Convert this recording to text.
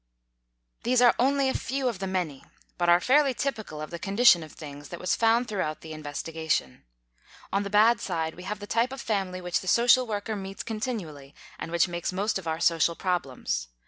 These are only a few of the many, but are fairly typical of the condition of things that was found throughout the investigation. On the bad side we have the type of family which the social worker meets continually and which makes most of our social problems.